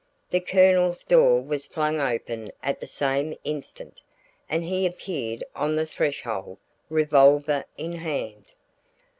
The Colonel's door was flung open at the same instant, and he appeared on the threshold, revolver in hand.